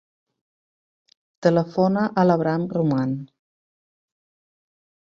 Telefona a l'Abraham Roman.